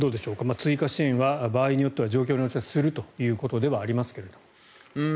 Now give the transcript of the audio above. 追加支援は場合によっては状況に応じてするということではありますが。